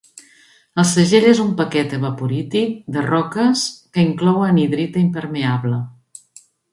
El segell és un paquet evaporític de roques que inclou anhidrita impermeable.